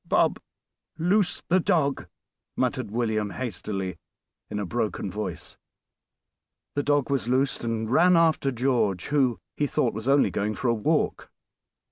"Bob, loose the dog," muttered William hastily, in a broken voice. The dog was loosed, and ran after George, who, he thought, was only going for a walk.